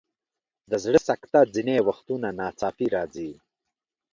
د زړه سکته ځینې وختونه ناڅاپي راځي.